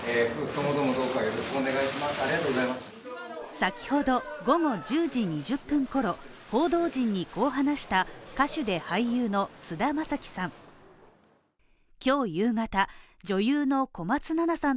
先ほど午後１０時２０分頃、報道陣にこう話した歌手で俳優の菅田将暉さん。